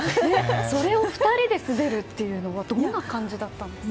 それを２人で滑るというのはどんな感じだったんですか？